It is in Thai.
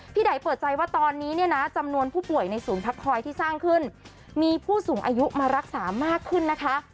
ไดเปิดใจว่าตอนนี้เนี่ยนะจำนวนผู้ป่วยในศูนย์พักคอยที่สร้างขึ้นมีผู้สูงอายุมารักษามากขึ้นนะคะ